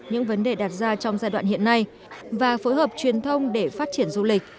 những vấn đề đặt ra trong giai đoạn hiện nay và phối hợp truyền thông để phát triển du lịch